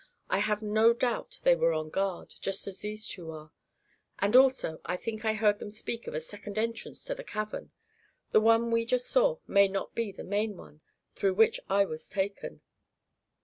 I have no doubt they were on guard, just as these two are. And, also, I think I heard them speak of a second entrance to the cavern. The one we just saw may not be the main one, through which I was taken."